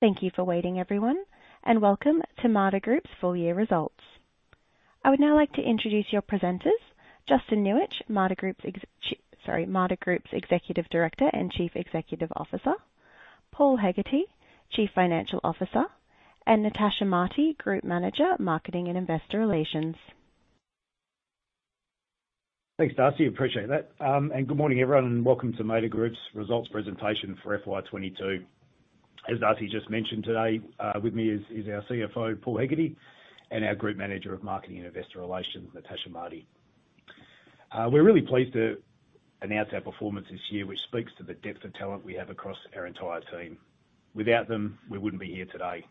Thank you for waiting everyone, and welcome to Mader Group's Full Year Results. I would now like to introduce your presenters, Justin Nuich, Mader Group's Executive Director and Chief Executive Officer, Paul Hegarty, Chief Financial Officer, and Natasha Marti, Group Manager, Marketing and Investor Relations. Thanks, Darcy. Appreciate that. Good morning, everyone, and welcome to Mader Group's results presentation for FY2022. As Darcy just mentioned today, with me is our CFO, Paul Hegarty, and our Group Manager of Marketing and Investor Relations, Natasha Marti. We're really pleased to announce our performance this year, which speaks to the depth of talent we have across our entire team. Without them, we wouldn't be here today,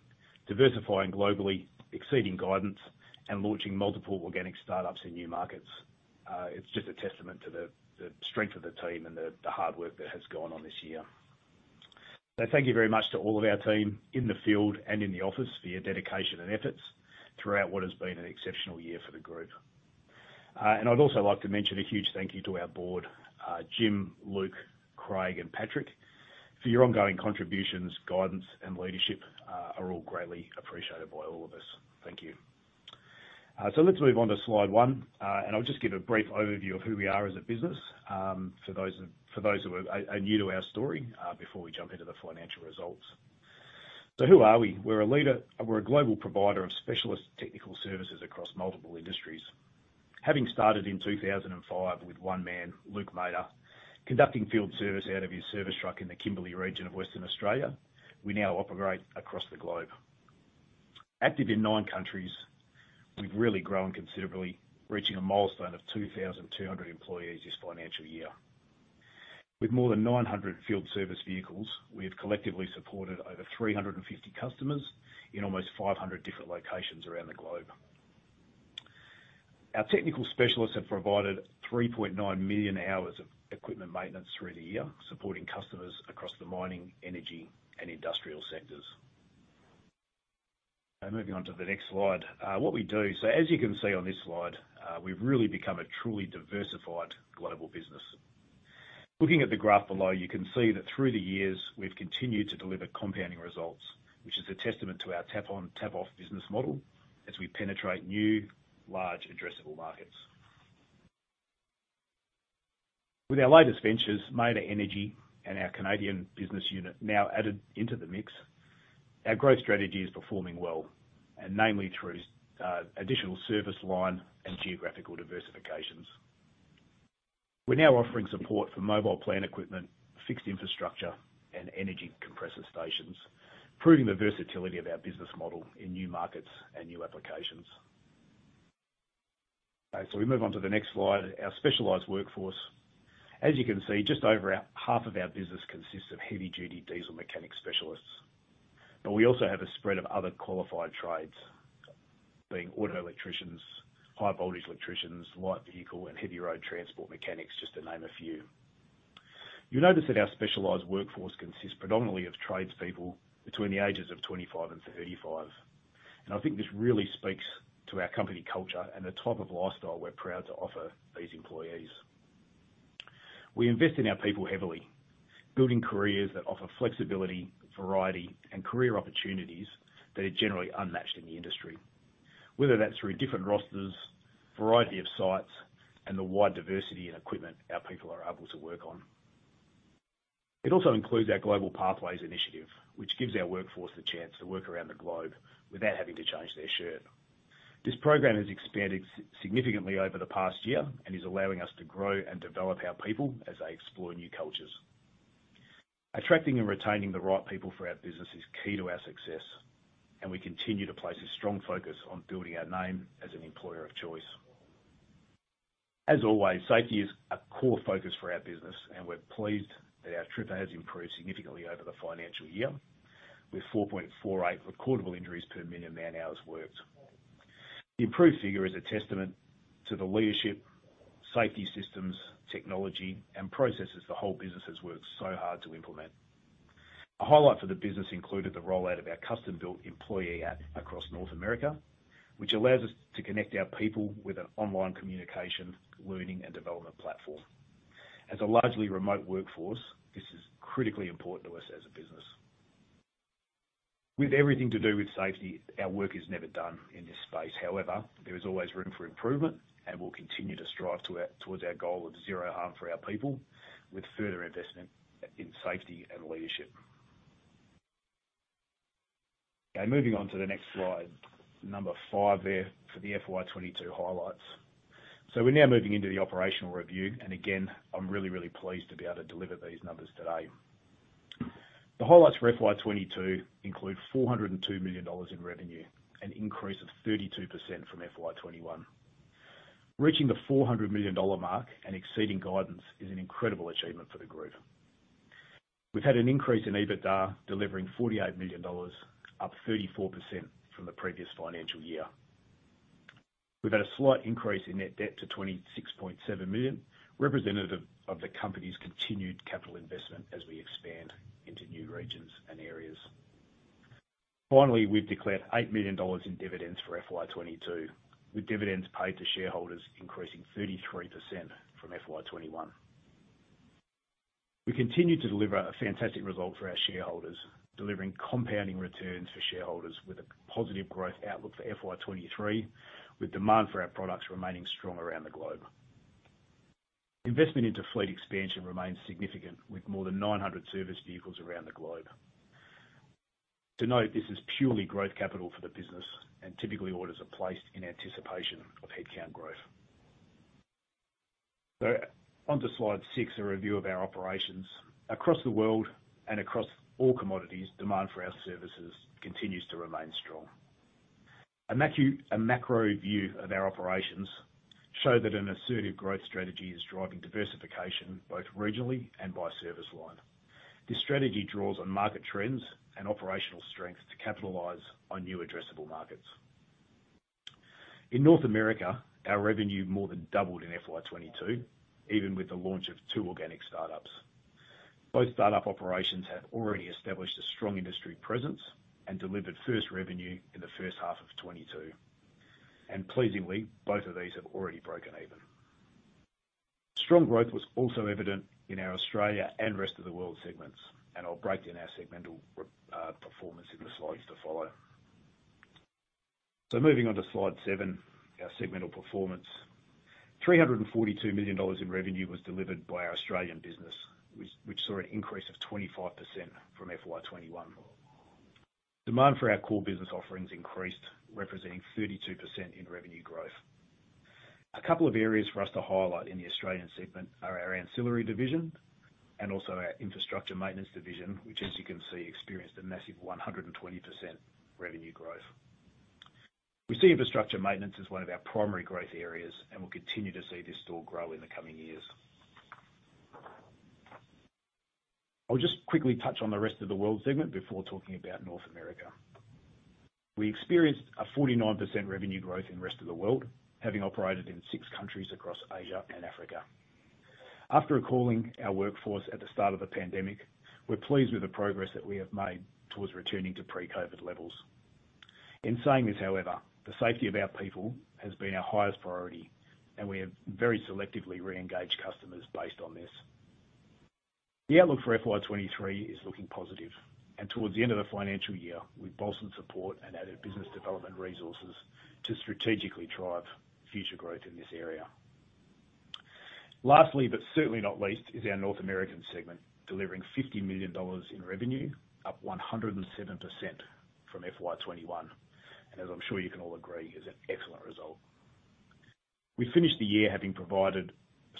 diversifying globally, exceeding guidance, and launching multiple organic startups in new markets. It's just a testament to the strength of the team and the hard work that has gone on this year. Thank you very much to all of our team in the field and in the office for your dedication and efforts throughout what has been an exceptional year for the group. I'd also like to mention a huge thank you to our board, Jim, Luke, Craig, and Patrick, for your ongoing contributions, guidance, and leadership, are all greatly appreciated by all of us. Thank you. Let's move on to slide one. I'll just give a brief overview of who we are as a business, for those who are new to our story, before we jump into the financial results. Who are we? We're a global provider of specialist technical services across multiple industries. Having started in 2005 with one man, Luke Mader, conducting field service out of his service truck in the Kimberley region of Western Australia, we now operate across the globe. Active in nine countries, we've really grown considerably, reaching a milestone of 2,200 employees this financial year. With more than 900 field service vehicles, we have collectively supported over 350 customers in almost 500 different locations around the globe. Our technical specialists have provided 3.9 million hours of equipment maintenance through the year, supporting customers across the mining, energy, and industrial sectors. Moving on to the next slide. What we do. As you can see on this slide, we've really become a truly diversified global business. Looking at the graph below, you can see that through the years we've continued to deliver compounding results, which is a testament to our tap on, tap off business model as we penetrate new, large addressable markets. With our latest ventures, Mader Energy and Canadian business unit now added into the mix, our growth strategy is performing well, and namely through additional service line and geographical diversifications. We're now offering support for mobile plant equipment, fixed infrastructure, and energy compressor stations, proving the versatility of our business model in new markets and new applications. We move on to the next slide, our specialized workforce. As you can see, just over half of our business consists of heavy duty diesel mechanic specialists, but we also have a spread of other qualified trades being auto electricians, high voltage electricians, light vehicle, and heavy road transport mechanics, just to name a few. You notice that our specialized workforce consists predominantly of tradespeople between the ages of 25 and 35, and I think this really speaks to our company culture and the type of lifestyle we're proud to offer these employees. We invest in our people heavily, building careers that offer flexibility, variety, and career opportunities that are generally unmatched in the industry, whether that's through different rosters, variety of sites, and the wide diversity in equipment our people are able to work on. It also includes our Global Pathways initiative, which gives our workforce the chance to work around the globe without having to change their shirt. This program has expanded significantly over the past year and is allowing us to grow and develop our people as they explore new cultures. Attracting and retaining the right people for our business is key to our success, and we continue to place a strong focus on building our name as an employer of choice. As always, safety is a core focus for our business, and we're pleased that our total increase significantly over the financial year with 4.48 recordable injuries per million man-hours worked. The improved figure is a testament to the leadership, safety systems, technology, and processes the whole business has worked so hard to implement. A highlight for the business included the rollout of our custom-built employee app across North America, which allows us to connect our people with an online communication, learning, and development platform. As a largely remote workforce, this is critically important to us as a business. With everything to do with safety, our work is never done in this space. However, there is always room for improvement, and we'll continue to strive towards our goal of zero harm for our people with further investment in safety and leadership. Moving on to the next slide, number five there for the FY2022 highlights. We're now moving into the operational review. Again, I'm really pleased to be able to deliver these numbers today. The highlights for FY2022 include 402 million dollars in revenue, an increase of 32% from FY2021. Reaching the 400 million dollar mark and exceeding guidance is an incredible achievement for the group. We've had an increase in EBITDA, delivering 48 million dollars, up 34% from the previous financial year. We've had a slight increase in net debt to 26.7 million, representative of the company's continued capital investment as we expand into new regions and areas. Finally, we've declared 8 million dollars in dividends for FY2022, with dividends paid to shareholders increasing 33% from FY2021. We continue to deliver a fantastic result for our shareholders, delivering compounding returns for shareholders with a positive growth outlook for FY2023, with demand for our products remaining strong around the globe. Investment into fleet expansion remains significant, with more than 900 service vehicles around the globe. To note, this is purely growth capital for the business and typically orders are placed in anticipation of headcount growth. On to slide six, a review of our operations. Across the world and across all commodities, demand for our services continues to remain strong. A macro view of our operations show that an assertive growth strategy is driving diversification both regionally and by service line. This strategy draws on market trends and operational strengths to capitalize on new addressable markets. In North America, our revenue more than doubled in FY2022, even with the launch of two organic startups. Both startup operations have already established a strong industry presence and delivered first revenue in the first half of 2022. Pleasingly, both of these have already broken even. Strong growth was also evident in our Australia and rest of the world segments, and I'll break down our segmental performance in the slides to follow. Moving on to slide seven, our segmental performance. 342 million dollars in revenue was delivered by our Australian business, which saw an increase of 25% from FY2021. Demand for our core business offerings increased, representing 32% in revenue growth. A couple of areas for us to highlight in the Australian segment are our ancillary division and also our infrastructure maintenance division, which as you can see experienced a massive 120% revenue growth. We see infrastructure maintenance as one of our primary growth areas, and we'll continue to see this still grow in the coming years. I'll just quickly touch on the rest of the world segment before talking about North America. We experienced a 49% revenue growth in rest of the world, having operated in six countries across Asia and Africa. After recalling our workforce at the start of the pandemic, we're pleased with the progress that we have made towards returning to pre-COVID levels. In saying this, however, the safety of our people has been our highest priority and we have very selectively re-engaged customers based on this. The outlook for FY2023 is looking positive, and towards the end of the financial year, we've bolstered support and added business development resources to strategically drive future growth in this area. Lastly, but certainly not least, is our North American segment, delivering $50 million in revenue, up 107% from FY2021. As I'm sure you can all agree, is an excellent result. We finished the year having provided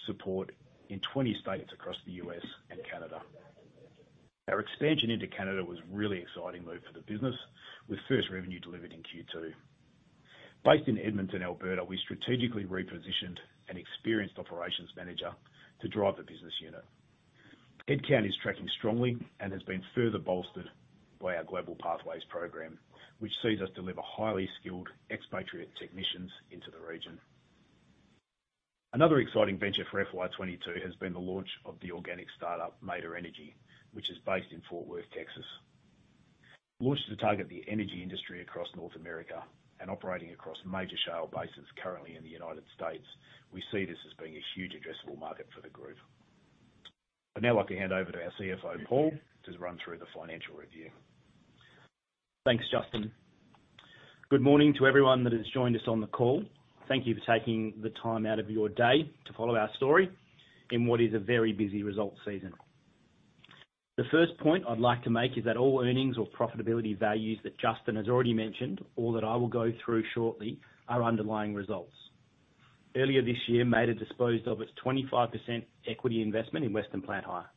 support in 20 states across the U.S. and Canada. Our expansion into Canada was a really exciting move for the business with first revenue delivered in Q2. Based in Edmonton, Alberta, we strategically repositioned an experienced operations manager to drive the business unit. Mader Canada is tracking strongly and has been further bolstered by our Global Pathways program, which sees us deliver highly skilled expatriate technicians into the region. Another exciting venture for FY2022 has been the launch of the organic startup, Mader Energy, which is based in Fort Worth, Texas. Launched to target the energy industry across North America and operating across major shale basins currently in the United States, we see this as being a huge addressable market for the group. I'd now like to hand over to our CFO, Paul, to run through the financial review. Thanks, Justin. Good morning to everyone that has joined us on the call. Thank you for taking the time out of your day to follow our story in what is a very busy result season. The first point I'd like to make is that all earnings or profitability values that Justin has already mentioned, or that I will go through shortly, are underlying results. Earlier this year, Mader disposed of its 25% equity investment in Western Plant Hire.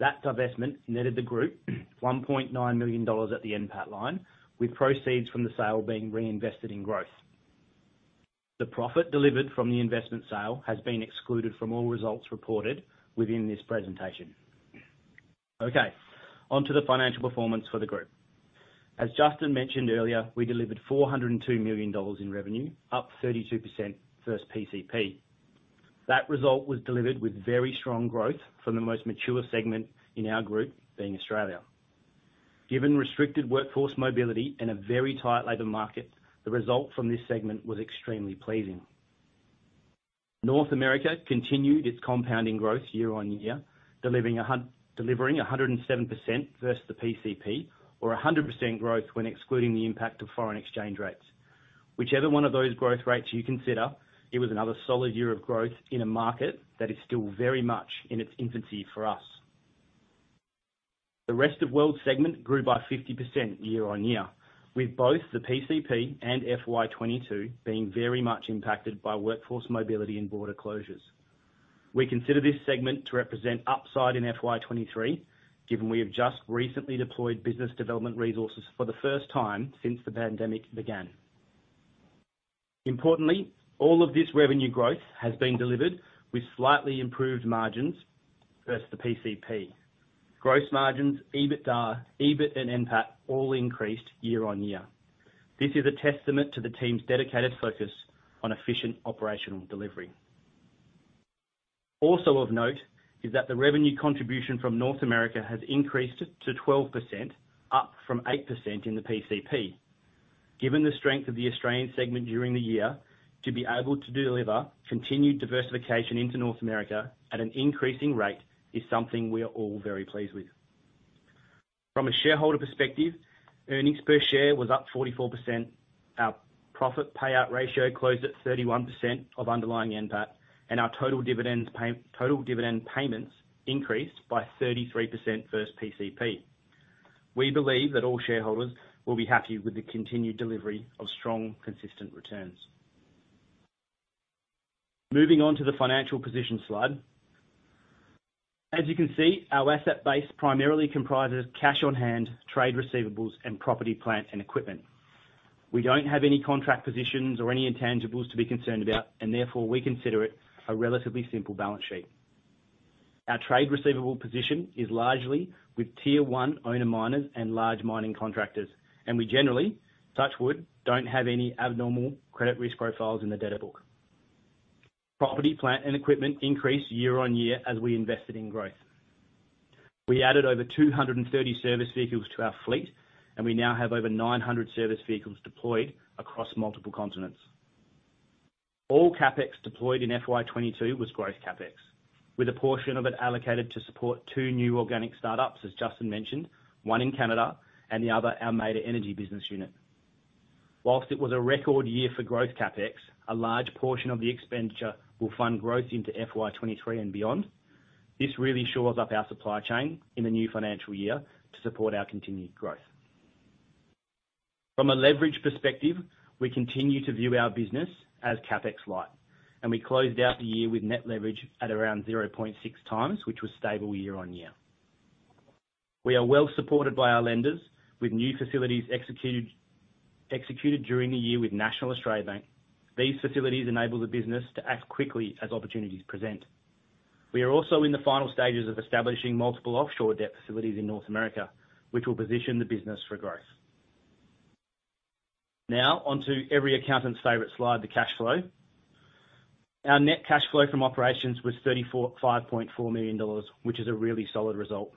That divestment netted the group 1.9 million dollars at the NPAT line, with proceeds from the sale being reinvested in growth. The profit delivered from the investment sale has been excluded from all results reported within this presentation. Okay, onto the financial performance for the group. As Justin mentioned earlier, we delivered 402 million dollars in revenue, up 32% versus PCP. That result was delivered with very strong growth from the most mature segment in our group, being Australia. Given restricted workforce mobility and a very tight labor market, the result from this segment was extremely pleasing. North America continued its compounding growth year-over-year, delivering 107% versus the PCP or 100% growth when excluding the impact of foreign exchange rates. Whichever one of those growth rates you consider, it was another solid year of growth in a market that is still very much in its infancy for us. The rest of world segment grew by 50% year-over-year, with both the PCP and FY2022 being very much impacted by workforce mobility and border closures. We consider this segment to represent upside in FY2023, given we have just recently deployed business development resources for the first time since the pandemic began. Importantly, all of this revenue growth has been delivered with slightly improved margins versus the PCP. Gross margins, EBITDA, EBIT and NPAT all increased year-on-year. This is a testament to the team's dedicated focus on efficient operational delivery. Also of note is that the revenue contribution from North America has increased to 12%, up from 8% in the PCP. Given the strength of the Australian segment during the year, to be able to deliver continued diversification into North America at an increasing rate is something we are all very pleased with. From a shareholder perspective, earnings per share was up 44%. Our profit payout ratio closed at 31% of underlying NPAT, and our total dividend payments increased by 33% versus PCP. We believe that all shareholders will be happy with the continued delivery of strong, consistent returns. Moving on to the financial position slide. As you can see, our asset base primarily comprises cash on hand, trade receivables, and property, plant, and equipment. We don't have any contract positions or any intangibles to be concerned about and therefore we consider it a relatively simple balance sheet. Our trade receivable position is largely with Tier 1 owner miners and large mining contractors and we generally, touch wood, don't have any abnormal credit risk profiles in the debtor book. Property, plant, and equipment increased year-on-year as we invested in growth. We added over 230 service vehicles to our fleet, and we now have over 900 service vehicles deployed across multiple continents. All CapEx deployed in FY2022 was growth CapEx, with a portion of it allocated to support two new organic startups, as Justin mentioned, one in Canada and the other our Mader Energy business unit. While it was a record year for growth CapEx, a large portion of the expenditure will fund growth into FY2023 and beyond. This really shores up our supply chain in the new financial year to support our continued growth. From a leverage perspective, we continue to view our business as CapEx light, and we closed out the year with net leverage at around 0.6 times, which was stable year-on-year. We are well supported by our lenders, with new facilities executed during the year with National Australia Bank. These facilities enable the business to act quickly as opportunities present. We are also in the final stages of establishing multiple offshore debt facilities in North America, which will position the business for growth. Now on to every accountant's favorite slide, the cash flow. Our net cash flow from operations was 34, 5.4 million dollars, which is a really solid result.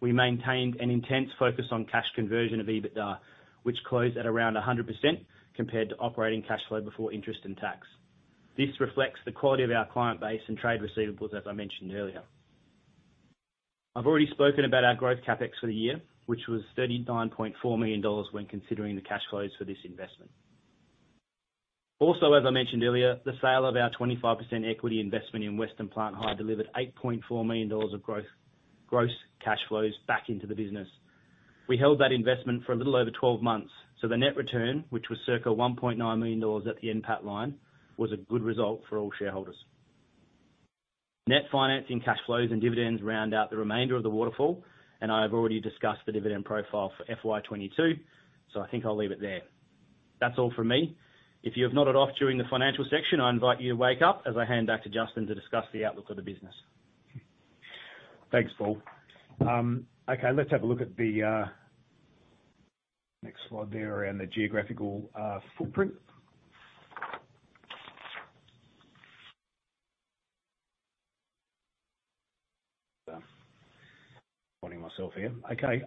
We maintained an intense focus on cash conversion of EBITDA, which closed at around 100% compared to operating cash flow before interest and tax. This reflects the quality of our client base and trade receivables, as I mentioned earlier. I've already spoken about our growth CapEx for the year, which was 39.4 million dollars when considering the cash flows for this investment. Also, as I mentioned earlier, the sale of our 25% equity investment in Western Plant Hire delivered 8.4 million dollars of growth, gross cash flows back into the business. We held that investment for a little over 12 months, so the net return, which was circa 1.9 million dollars at the NPAT line, was a good result for all shareholders. Net financing cash flows and dividends round out the remainder of the waterfall, and I've already discussed the dividend profile for FY2022, so I think I'll leave it there. That's all from me. If you have nodded off during the financial section, I invite you to wake up as I hand back to Justin to discuss the outlook of the business. Thanks, Paul. Okay, let's have a look at the next slide there around the geographical footprint. Finding myself here. Okay,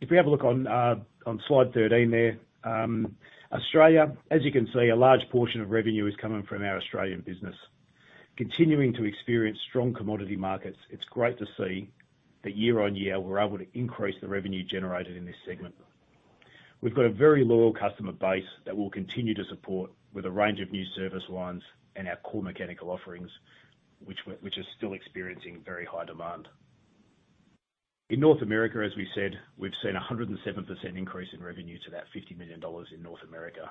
if we have a look on slide 13 there, Australia, as you can see, a large portion of revenue is coming from our Australian business. Continuing to experience strong commodity markets, it's great to see that year-on-year, we're able to increase the revenue generated in this segment. We've got a very loyal customer base that we'll continue to support with a range of new service lines and our core mechanical offerings, which are still experiencing very high demand. In North America, as we said, we've seen a 107% increase in revenue to about $50 million in North America.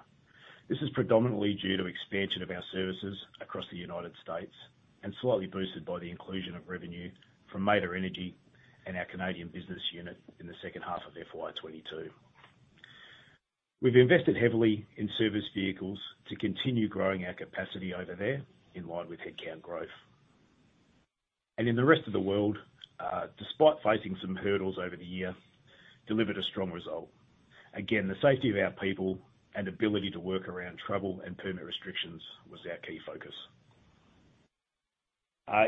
This is predominantly due to expansion of our services across the United States and slightly boosted by the inclusion of revenue from Mader Energy and our Canadian business unit in the second half of FY2022. We've invested heavily in service vehicles to continue growing our capacity over there in line with headcount growth. In the rest of the world, despite facing some hurdles over the year, delivered a strong result. Again, the safety of our people and ability to work around travel and permit restrictions was our key focus.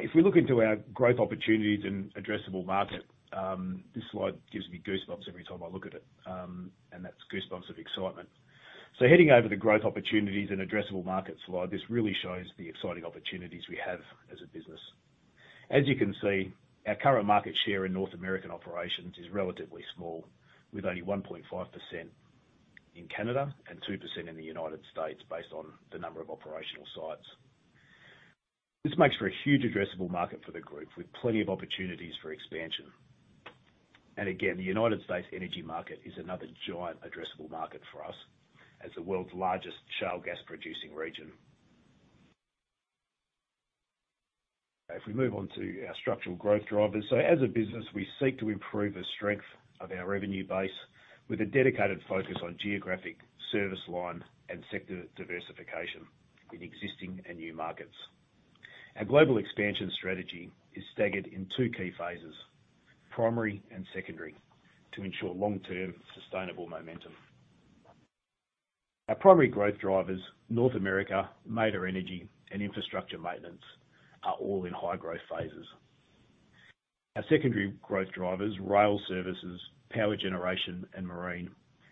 If we look into our growth opportunities and addressable market, this slide gives me goosebumps every time I look at it, and that's goosebumps of excitement. Heading over the growth opportunities and addressable market slide, this really shows the exciting opportunities we have as a business. As you can see, our current market share in North American operations is relatively small, with only 1.5% in Canada and 2% in the United States based on the number of operational sites. This makes for a huge addressable market for the group with plenty of opportunities for expansion. Again, the United States energy market is another giant addressable market for us as the world's largest shale gas producing region. If we move on to our structural growth drivers. As a business, we seek to improve the strength of our revenue base with a dedicated focus on geographic service line and sector diversification in existing and new markets. Our global expansion strategy is staggered in two key phases, primary and secondary, to ensure long-term sustainable momentum. Our primary growth drivers, North America, Mader Energy, and infrastructure maintenance, are all in high growth phases. Our secondary growth drivers, rail services, power generation, and marine,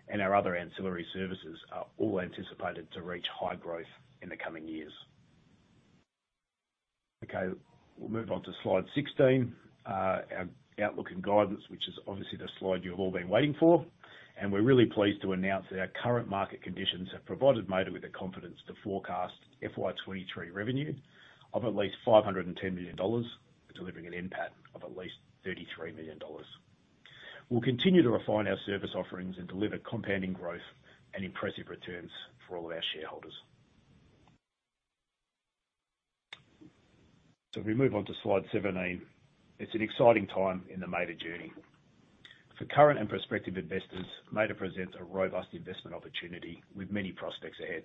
and our other ancillary services are all anticipated to reach high growth in the coming years. Okay, we'll move on to slide 16, our outlook and guidance, which is obviously the slide you've all been waiting for. We're really pleased to announce that our current market conditions have provided Mader with the confidence to forecast FY2023 revenue of at least 510 million dollars, delivering an NPAT of at least 33 million dollars. We'll continue to refine our service offerings and deliver compounding growth and impressive returns for all of our shareholders. If we move on to slide 17. It's an exciting time in the Mader journey. For current and prospective investors, Mader presents a robust investment opportunity with many prospects ahead.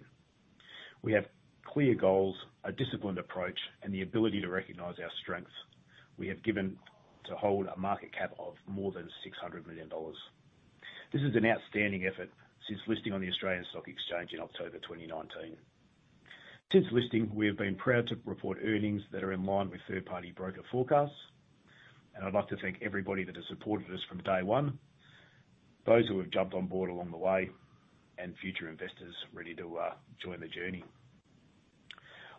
We have clear goals, a disciplined approach, and the ability to recognize our strengths. We have grown to hold a market cap of more than 600 million dollars. This is an outstanding effort since listing on the Australian Securities Exchange in October 2019. Since listing, we have been proud to report earnings that are in line with third-party broker forecasts, and I'd like to thank everybody that has supported us from day one, those who have jumped on board along the way, and future investors ready to join the journey.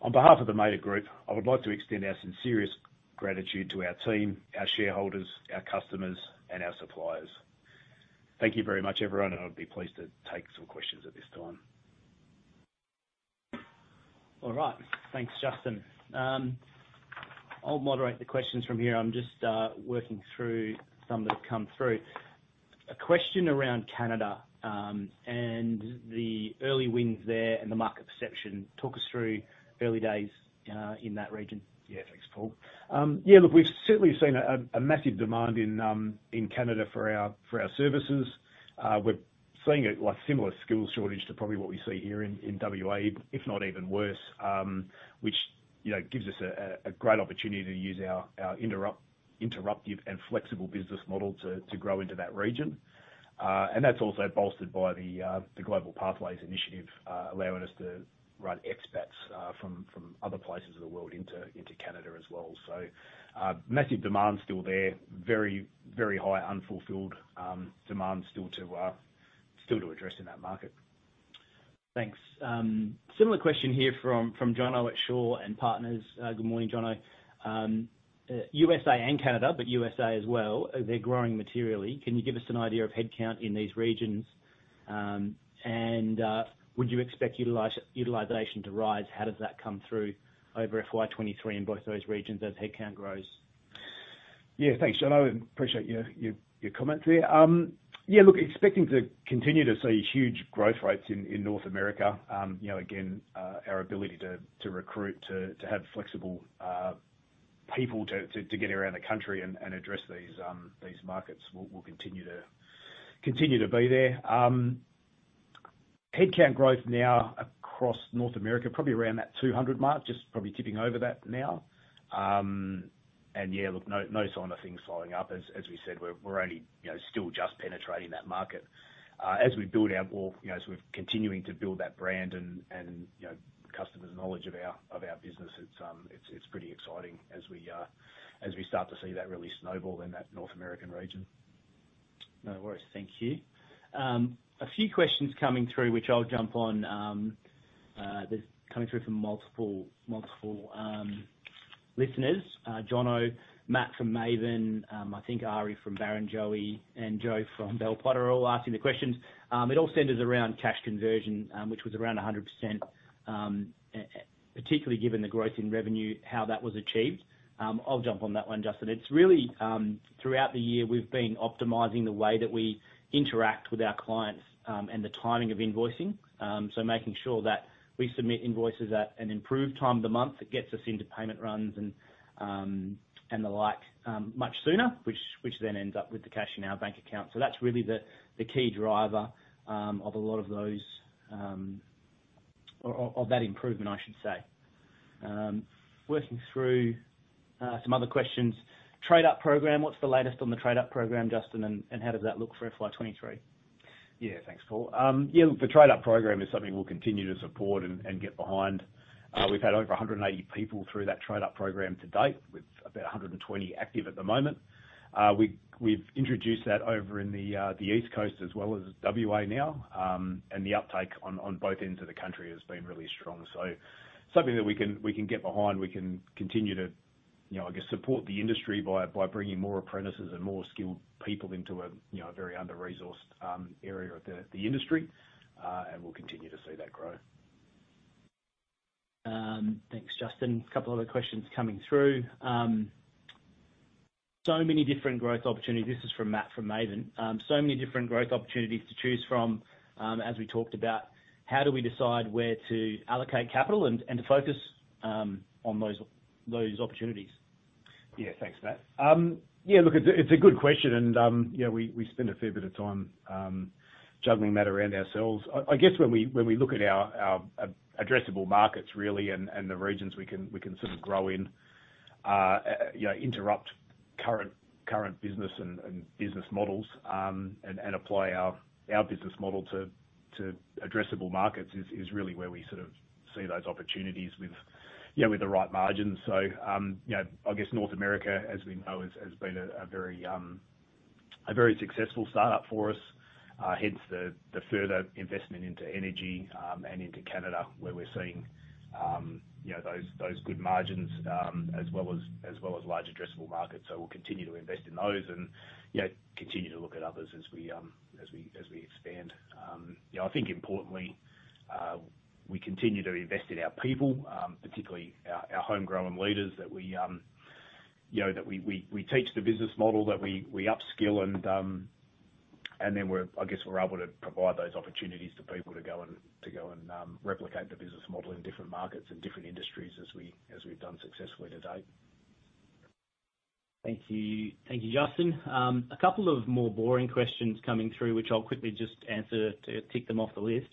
On behalf of the Mader Group, I would like to extend our sincerest gratitude to our team, our shareholders, our customers, and our suppliers. Thank you very much, everyone, and I'll be pleased to take some questions at this time. All right. Thanks, Justin. I'll moderate the questions from here. I'm just working through some that have come through. A question around Canada, and the early wins there and the market perception. Talk us through early days, in that region. Yeah, thanks, Paul. Yeah, look, we've certainly seen a massive demand in Canada for our services. We're seeing like similar skills shortage to probably what we see here in WA, if not even worse, which, you know, gives us a great opportunity to use our disruptive and flexible business model to grow into that region. That's also bolstered by the Global Pathways initiative, allowing us to run expats from other places of the world into Canada as well. Massive demand still there. Very high unfulfilled demand still to address in that market. Thanks. Similar question here from Jono at Shaw and Partners. Good morning, Jono. USA and Canada, but USA as well, they're growing materially. Can you give us an idea of headcount in these regions? Would you expect utilization to rise? How does that come through over FY2023 in both those regions as headcount grows? Yeah. Thanks, Jono. Appreciate your comments there. Yeah, look, expecting to continue to see huge growth rates in North America. You know, again, our ability to recruit, to have flexible people to get around the country and address these markets will continue to be there. Headcount growth now across North America, probably around that 200 mark, just probably tipping over that now. Yeah, look no sign of things slowing up. As we said, we're only, you know, still just penetrating that market. As we're continuing to build that brand and, you know, customers' knowledge of our business, it's pretty exciting as we start to see that really snowball in that North American region. No worries. Thank you. A few questions coming through, which I'll jump on, that's coming through from multiple listeners. Jono, Matt from Maven, I think Ari from Barrenjoey, and Joseph from Bell Potter are all asking the questions. It all centers around cash conversion, which was around 100%, particularly given the growth in revenue, how that was achieved. I'll jump on that one, Justin. It's really, throughout the year, we've been optimizing the way that we interact with our clients, and the timing of invoicing. Making sure that we submit invoices at an improved time of the month that gets us into payment runs and the like, much sooner, which then ends up with the cash in our bank account. That's really the key driver of a lot of those or of that improvement, I should say. Working through some other questions. Trade Up Program. What's the latest on the Trade Up Program, Justin, and how does that look for FY2023? Yeah. Thanks, Paul. Yeah, look, the Trade Up Program is something we'll continue to support and get behind. We've had over 180 people through that Trade Up Program to date with about 120 active at the moment. We've introduced that over in the East Coast as well as WA now. The uptake on both ends of the country has been really strong. Something that we can get behind, we can continue to, you know, I guess, support the industry by bringing more apprentices and more skilled people into a, you know, a very under-resourced area of the industry. We'll continue to see that grow. Thanks, Justin. A couple other questions coming through. So many different growth opportunities. This is from Matt from Maven. So many different growth opportunities to choose from, as we talked about, how do we decide where to allocate capital and to focus on those opportunities? Yeah. Thanks, Matt. Yeah, look, it's a good question and, you know, we spend a fair bit of time juggling that around ourselves. I guess when we look at our addressable markets really, and the regions we can sort of grow in, you know, disrupt current business and business models, and apply our business model to addressable markets is really where we sort of see those opportunities with, you know, with the right margins. You know, I guess North America, as we know, has been a very successful startup for us, hence the further investment into energy and into Canada where we're seeing, you know, those good margins as well as large addressable markets. We'll continue to invest in those and, you know, continue to look at others as we expand. I think importantly, we continue to invest in our people, particularly our homegrown leaders that we teach the business model that we upskill and then we're. I guess we're able to provide those opportunities to people to go and replicate the business model in different markets and different industries as we've done successfully to date. Thank you. Thank you, Justin. A couple of more boring questions coming through, which I'll quickly just answer to tick them off the list.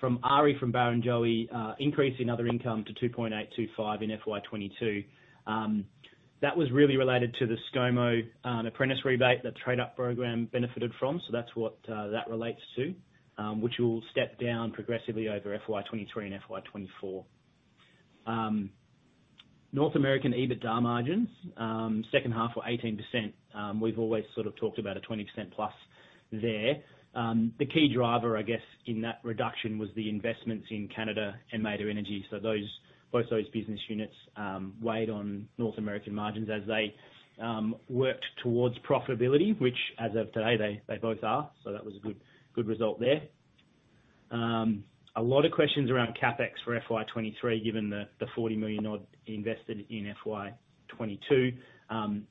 From Ari, from Barrenjoey, increase in other income to 2.825 in FY2022. That was really related to the Scomo apprentice rebate that Trade Up Program benefited from. That's what that relates to, which will step down progressively over FY2023 and FY2024. North American EBITDA margins, second half were 18%. We've always sort of talked about a 20%+ there. The key driver, I guess, in that reduction was the investments in Canada and Mader Energy. Both those business units weighed on North American margins as they worked towards profitability, which as of today, they both are. That was a good result there. A lot of questions around CapEx for FY2023, given the 40 million odd invested in FY2022.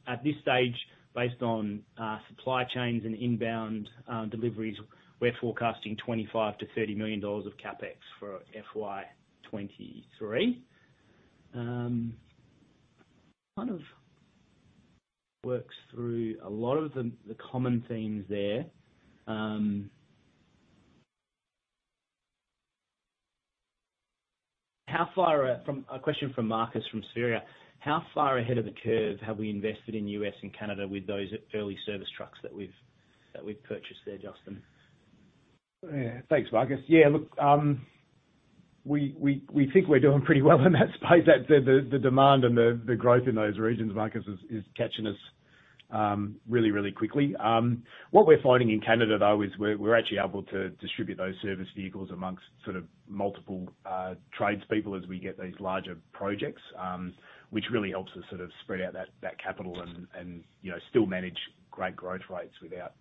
At this stage, based on supply chains and inbound deliveries, we're forecasting 25-30 million dollars of CapEx for FY2023. Kind of works through a lot of the common themes there. A question from Marcus from Spheria. How far ahead of the curve have we invested in U.S. and Canada with those early service trucks that we've purchased there, Justin? Yeah. Thanks, Marcus. Yeah, look, we think we're doing pretty well in that space. That's the demand and the growth in those regions, Marcus, is catching us really quickly. What we're finding in Canada, though, is we're actually able to distribute those service vehicles amongst sort of multiple tradespeople as we get these larger projects, which really helps us sort of spread out that capital and, you know, still manage great growth rates without,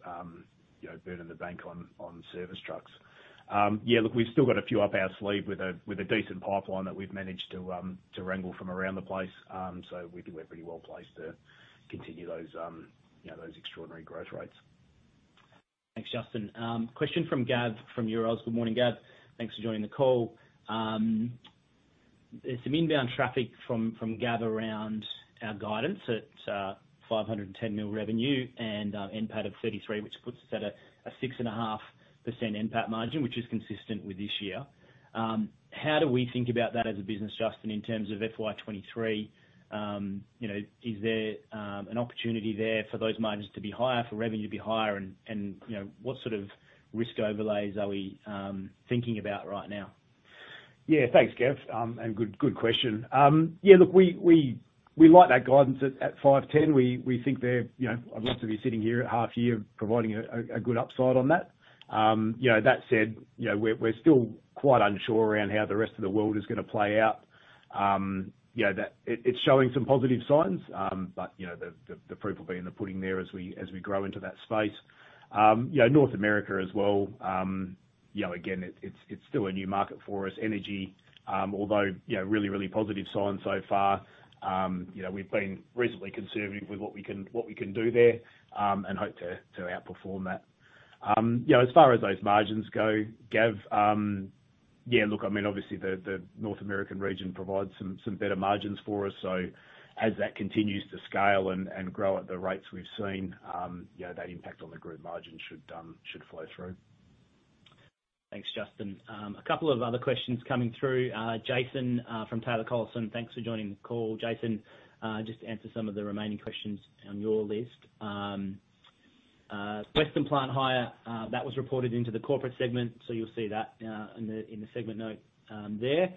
you know, burning the bank on service trucks. Yeah, look, we've still got a few up our sleeve with a decent pipeline that we've managed to wrangle from around the place. We think we're pretty well placed to continue those, you know, those extraordinary growth rates. Thanks, Justin. Question from Gav from Euroz. Good morning, Gav. Thanks for joining the call. There's some inbound traffic from Gav around our guidance at 510 million revenue and NPAT of 33, which puts us at a 6.5% NPAT margin, which is consistent with this year. How do we think about that as a business, Justin, in terms of FY2023? You know, is there an opportunity there for those margins to be higher, for revenue to be higher? You know, what sort of risk overlays are we thinking about right now? Yeah. Thanks, Gav. Good question. Yeah, look, we like that guidance at 510. We think they're, you know, I'd love to be sitting here at half year providing a good upside on that. You know, that said, you know, we're still quite unsure around how the rest of the world is gonna play out. You know, it's showing some positive signs, but, you know, the proof will be in the pudding there as we grow into that space. You know, North America as well. You know, again, it's still a new market for us. Energy, although, you know, really positive signs so far. You know, we've been reasonably conservative with what we can do there and hope to outperform that. You know, as far as those margins go, Gav, yeah, look, I mean, obviously the North American region provides some better margins for us. As that continues to scale and grow at the rates we've seen, you know, that impact on the group margins should flow through. Thanks, Justin. A couple of other questions coming through. Jason, from Taylor Collison, thanks for joining the call. Jason, just to answer some of the remaining questions on your list. Western Plant Hire, that was reported into the corporate segment, so you'll see that in the segment note there.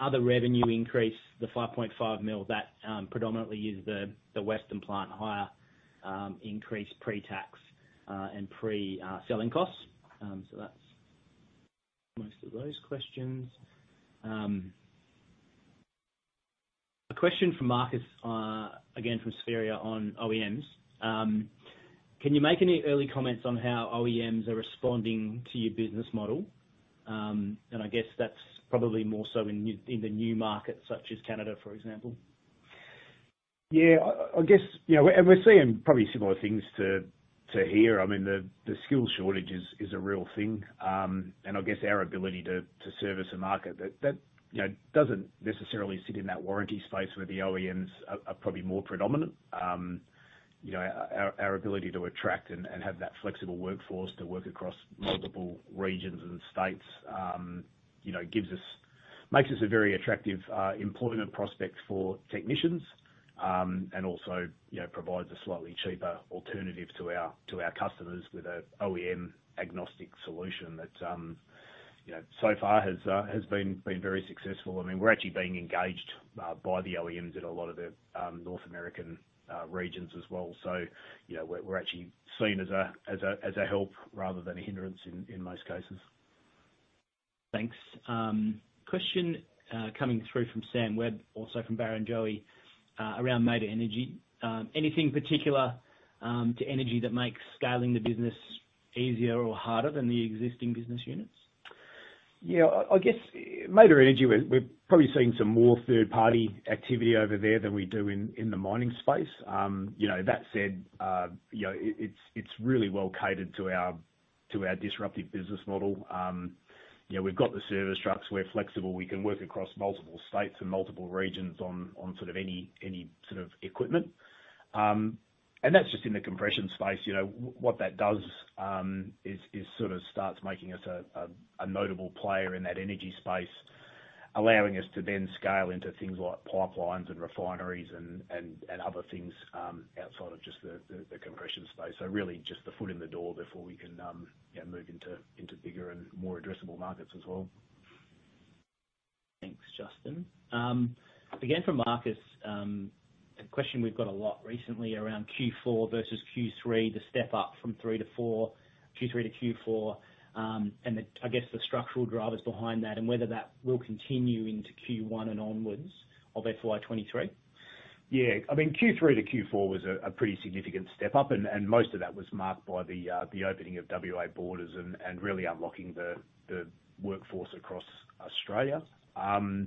Other revenue increase, the 5.5 million, that predominantly is the Western Plant Hire, increased pre-tax and pre-selling costs. So that's most of those questions. A question from Marcus, again, from Spheria on OEMs. Can you make any early comments on how OEMs are responding to your business model? I guess that's probably more so in the new markets such as Canada, for example. Yeah. I guess, you know, we're seeing probably similar things to here. I mean, the skills shortage is a real thing. I guess our ability to service a market that, you know, doesn't necessarily sit in that warranty space where the OEMs are probably more predominant. You know, our ability to attract and have that flexible workforce to work across multiple regions and states, you know, makes us a very attractive employment prospect for technicians. Also, you know, provides a slightly cheaper alternative to our customers with a OEM-agnostic solution that, you know, so far has been very successful. I mean, we're actually being engaged by the OEMs at a lot of the North American regions as well. You know, we're actually seen as a help rather than a hindrance in most cases. Thanks. Question coming through from Sam Webb, also from Barrenjoey, around Mader Energy. Anything particular to energy that makes scaling the business easier or harder than the existing business units? Yeah. I guess Mader Energy, we're probably seeing some more third-party activity over there than we do in the mining space. You know, that said, you know, it's really well catered to our disruptive business model. You know, we've got the service trucks, we're flexible. We can work across multiple states and multiple regions on sort of any sort of equipment. That's just in the compression space. You know, what that does is sort of starts making us a notable player in that energy space, allowing us to then scale into things like pipelines and refineries and other things outside of just the compression space. Really just the foot in the door before we can, you know, move into bigger and more addressable markets as well. Thanks, Justin. Again from Marcus, a question we've got a lot recently around Q4 versus Q3, the step up from three to four, Q3 to Q4, and, I guess, the structural drivers behind that, and whether that will continue into Q1 and onwards of FY2023. Yeah. I mean, Q3 to Q4 was a pretty significant step up and most of that was marked by the opening of WA borders and really unlocking the workforce across Australia. You know,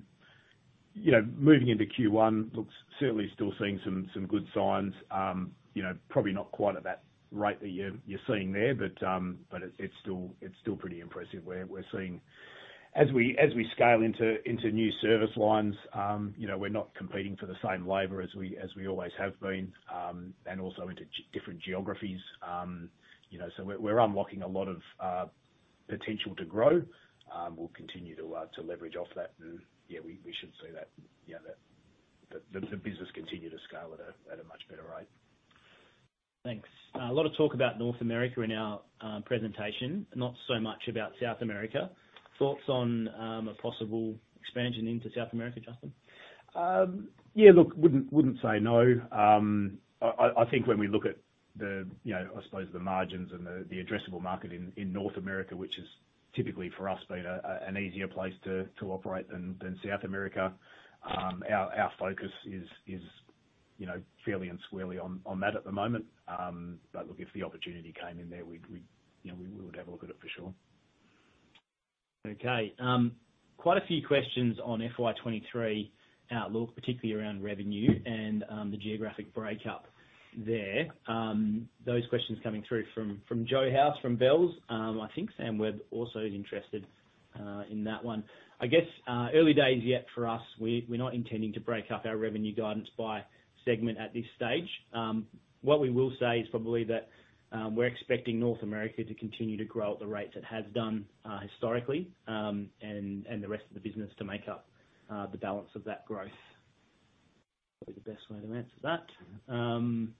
moving into Q1 looks certainly still seeing some good signs. You know, probably not quite at that rate that you're seeing there, but it's still pretty impressive. We're seeing as we scale into new service lines, you know, we're not competing for the same labor as we always have been, and also into different geographies. You know, we're unlocking a lot of potential to grow. We'll continue to leverage off that and we should see that the business continue to scale at a much better rate. Thanks. A lot of talk about North America in our presentation, not so much about South America. Thoughts on a possible expansion into South America, Justin? Yeah, look, wouldn't say no. I think when we look at the, you know, I suppose the margins and the addressable market in North America, which has typically for us been an easier place to operate than South America, our focus is, you know, fairly and squarely on that at the moment. Look, if the opportunity came in there, we'd, you know, we would have a look at it for sure. Okay. Quite a few questions on FY2023 outlook, particularly around revenue and the geographic breakup there. Those questions coming through from Joseph House from Bell Potter. I think Sam Webb also is interested in that one. I guess early days yet for us. We're not intending to break up our revenue guidance by segment at this stage. What we will say is probably that we're expecting North America to continue to grow at the rates it has done historically and the rest of the business to make up the balance of that growth. Probably the best way to answer that.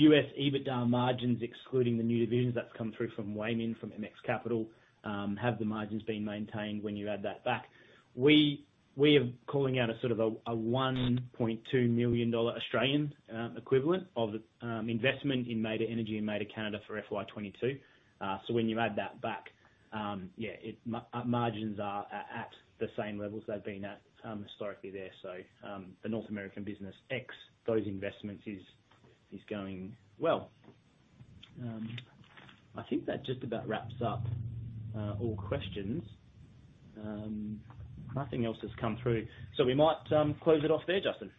U.S. EBITDA margins excluding the new divisions that's come through from Wei Min from MST Financial have the margins been maintained when you add that back? We are calling out a sort of a 1.2 million dollar equivalent of investment in Mader Energy and Mader Canada for FY2022. When you add that back, margins are at the same levels they've been at historically there. The North American business ex those investments is going well. I think that just about wraps up all questions. Nothing else has come through. We might close it off there, Justin.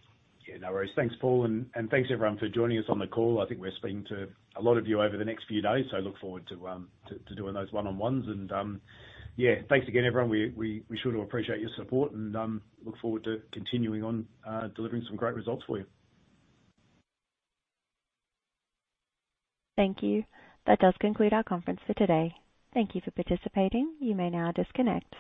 Yeah, no worries. Thanks, Paul, and thanks everyone for joining us on the call. I think we're speaking to a lot of you over the next few days, so look forward to doing those one-on-ones and, yeah. Thanks again, everyone. We sure do appreciate your support and look forward to continuing on delivering some great results for you. Thank you. That does conclude our conference for today. Thank you for participating. You may now disconnect.